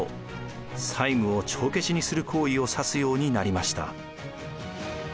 債務を帳消しにする行為を指すようになりました。